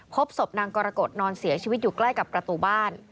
พบศพนางกรกฎนอนเสียชีวิตอยู่ใกล้กับประตูบ้าน